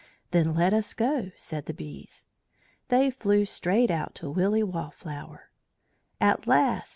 "Then let us go!" said the bees. They flew straight out to Willy Wallflower. "At last!